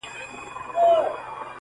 پر هندو او مسلمان یې سلطنت وو٫